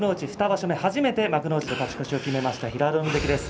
２場所目初めて幕内勝ち越しを決めました平戸海関です。